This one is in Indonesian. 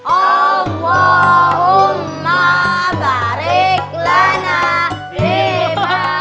allahumma bariklah nabibah